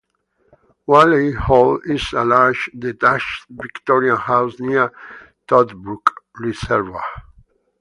Whaley Hall is a large detached Victorian house near Toddbrook Reservoir.